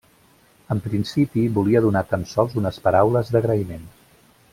En principi, volia donar tan sols unes paraules d'agraïment.